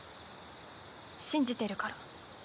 信じてるから。